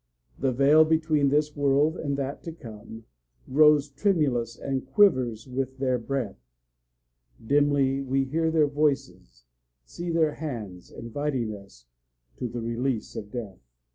The veil between this world and that to come Grows tremulous and quivers with their breath; Dimly we hear their voices, see their hands, Inviting us to the release of death.